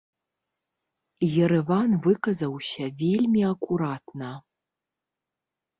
Ерэван выказаўся вельмі акуратна.